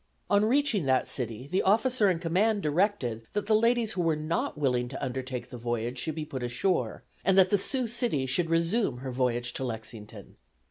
On reaching that city the officer in command directed that the ladies who were not willing to undertake the voyage should be put ashore, and that the "Sioux City" should resume her voyage to Lexington.